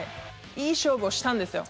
いい勝負をしたんですよ。